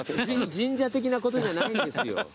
神社的なことじゃないんですよ。